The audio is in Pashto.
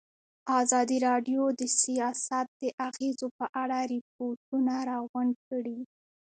ازادي راډیو د سیاست د اغېزو په اړه ریپوټونه راغونډ کړي.